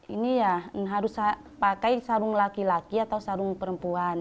ini ya harus pakai sarung laki laki atau sarung perempuan